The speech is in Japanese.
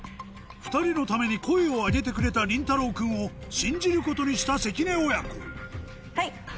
２人のために声を上げてくれたりんたろう君を信じることにした関根親子はい！